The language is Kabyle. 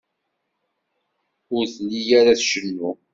Ur telli ara tcennu.